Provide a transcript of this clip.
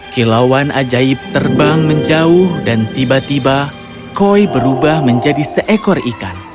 kilauan ajaib terbang menjauh dan tiba tiba koi berubah menjadi seekor ikan